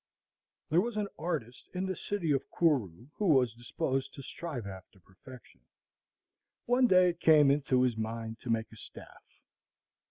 There was an artist in the city of Kouroo who was disposed to strive after perfection. One day it came into his mind to make a staff.